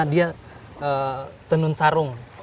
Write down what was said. dia tenun sarung